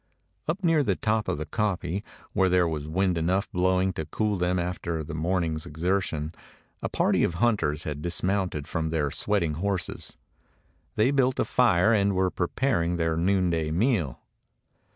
Up near the top of the kopje, where there was wind enough blowing to cool them after the morning's exertion, a party of hunters had dismounted from their sweating horses. They built a fire, and were preparing their noonday meal.